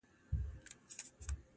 د ورور و غاړي ته چاړه دي کړمه،